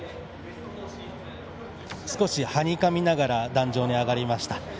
少しはにかみながら壇上に上がりました。